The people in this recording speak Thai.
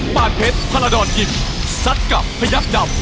ปานเพชรพาระดอนกิมสัดกลับพยักดำ